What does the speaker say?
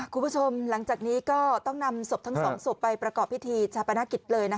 คุณผู้ชมหลังจากนี้ก็ต้องนำศพทั้งสองศพไปประกอบพิธีชาปนกิจเลย